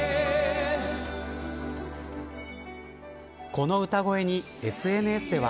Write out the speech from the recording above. この歌声にＳＮＳでは。